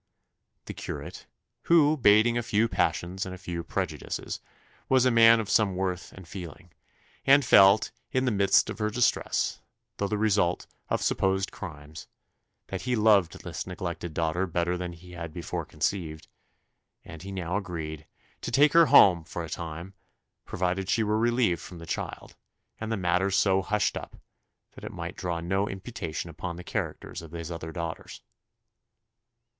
The curate, who, bating a few passions and a few prejudices, was a man of some worth and feeling, and felt, in the midst of her distress, though the result of supposed crimes, that he loved this neglected daughter better than he had before conceived; and he now agreed "to take her home for a time, provided she were relieved from the child, and the matter so hushed up, that it might draw no imputation upon the characters of his other daughters."